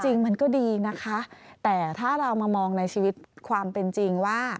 จริงมันก็ดีนะคะแต่ถ้าเรามามองในชีวิตความเป็นจริงว่า